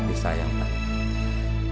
kenapa sampai terlambat mengetahuinya